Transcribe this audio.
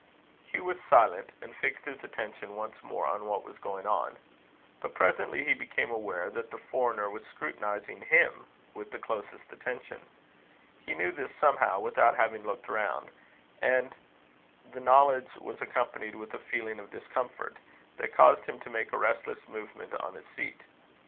Hugh was silent, and fixed his attention once more on what was going on. But presently he became aware that the foreigner was scrutinizing him with the closest attention. He knew this, somehow, without having looked round; and the knowledge was accompanied with a feeling of discomfort that caused him to make a restless movement on his seat.